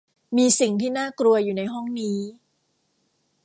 มีสิ่งที่น่ากลัวอยู่ในห้องนี้